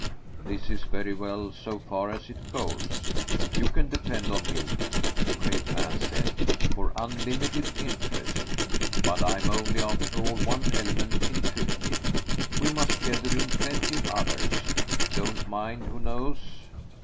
"This is very well so far as it goes. You can depend on me," the great man said, "for unlimited interest. But I'm only, after all, one element in fifty. We must gather in plenty of others. Don't mind who knows.